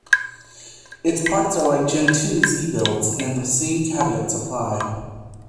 Its ports are like Gentoo's ebuilds, and the same caveats apply.